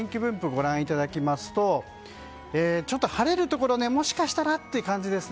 ご覧いただきますとちょっと晴れるところもしかしたらというところです。